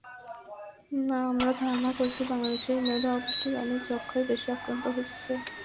আমরা ধারণা করছি, বাংলাদেশের মেয়েরা অপুষ্টির কারণে যক্ষ্মায় বেশি আক্রান্ত হচ্ছে।